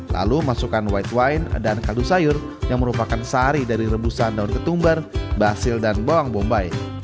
lalu masukkan white wine dan kaldu sayur yang merupakan sari dari rebusan daun ketumbar basil dan bawang bombay